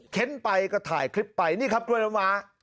เค้นไปก็ถ่ายที่ไปนี่ครับกล้วยนวา